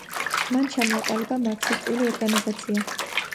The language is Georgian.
მან ჩამოაყალიბა მარქსისტული ორგანიზაცია.